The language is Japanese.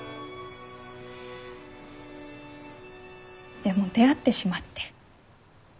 でも出会ってしまって。